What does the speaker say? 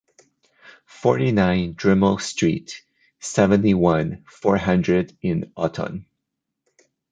forty-nine Drémeaux street, seventy-one, four hundred in Autun